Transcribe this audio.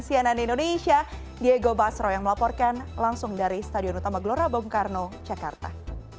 kesianan indonesia diego basro yang melaporkan langsung dari stadion utama gelora bumkarno jakarta